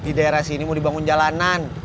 jadi dari pangkalan sampai ke sini mau dibangun jalanan